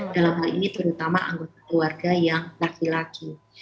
dalam hal ini terutama anggota keluarga yang laki laki